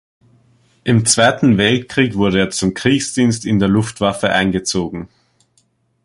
Im Zweiten Weltkrieg wurde er zum Kriegsdienst in der Luftwaffe eingezogen.